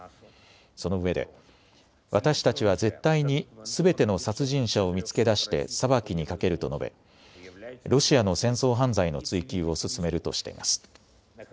そのうえで私たちは絶対にすべての殺人者を見つけ出して裁きにかけると述べ、ロシアの戦争犯罪の追及を進めるとしています。